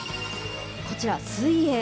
こちら、水泳。